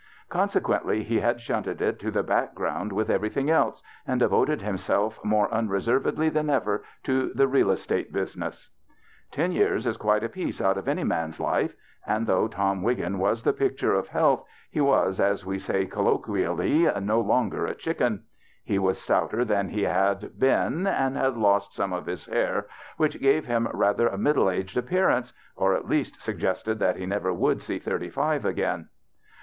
Consequently he had shunted it to the background with every thing else, and devoted himself more unre servedly than ever to the real estate busi ness. Ten years is quite a piece out of any man's life, and though Tom Wiggin was the picture of health, he was, as w^e say colloquially, no longer a chicken. He was stouter than he had been 'and had lost some of his hair, which gave him rather a middle aged appear ance, or at least suggested that he never would see thirty five again.